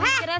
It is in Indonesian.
lah lah lah